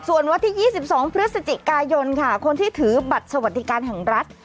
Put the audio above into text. ส่วนวันที่๒๒พฤศจิกายนค่ะคนที่ถือบัตรสวัสดิการแห่งรัฐ